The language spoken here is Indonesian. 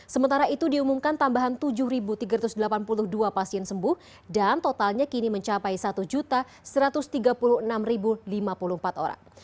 sementara itu diumumkan tambahan tujuh tiga ratus delapan puluh dua pasien sembuh dan totalnya kini mencapai satu satu ratus tiga puluh enam lima puluh empat orang